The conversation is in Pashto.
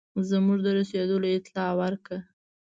زموږ د رسېدلو اطلاع ورکړه.